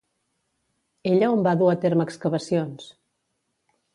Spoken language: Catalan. Ella on va dur a terme excavacions?